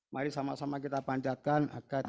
mari sama sama kita panjatkan